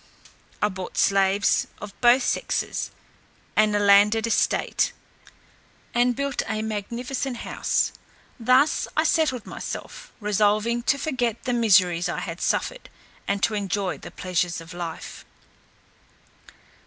I bought slaves of both sexes, and a landed estate, and built a magnificent house. Thus I settled myself, resolving to forget the miseries I had suffered, and to enjoy the pleasures of life.